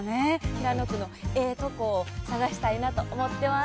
平野区のえぇトコ探したいなと思ってます。